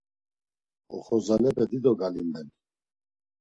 Oxorzalepe dido galimben.